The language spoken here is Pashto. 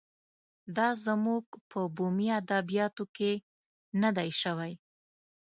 دا زموږ په بومي ادبیاتو کې نه دی شوی.